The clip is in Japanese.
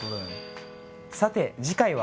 さて次回は？